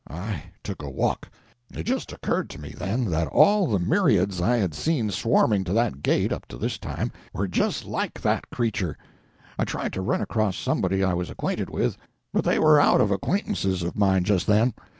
I took a walk. It just occurred to me, then, that all the myriads I had seen swarming to that gate, up to this time, were just like that creature. I tried to run across somebody I was acquainted with, but they were out of acquaintances of mine just then.